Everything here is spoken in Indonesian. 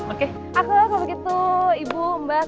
oke aku kalau begitu ibu mbak